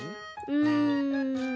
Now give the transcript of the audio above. うん。